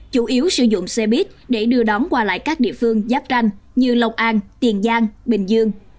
chủ yếu sử dụng xe buýt để đưa đón qua lại các địa phương giáp tranh như lộc an tiền giang bình dương